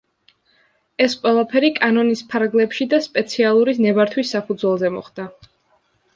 ეს ყველაფერი კანონის ფარგლებში და სპეციალური ნებართვის საფუძველზე მოხდა.